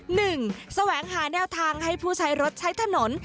แสวงหาแนวทางให้ผู้ใช้รถใช้ถนน